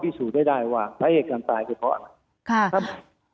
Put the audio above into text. พิสูจน์ได้ว่าสาเหตุการตายคือเพราะอะไร